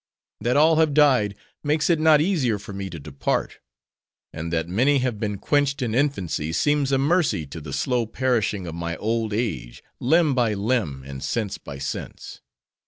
That all have died, makes it not easier for me to depart. And that many have been quenched in infancy seems a mercy to the slow perishing of my old age, limb by limb and sense by sense.